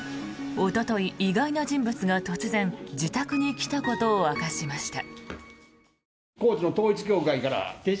おととい、意外な人物が突然、自宅に来たことを明かしました。